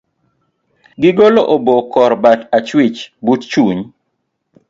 Gigol obo kor bat achwich but chuny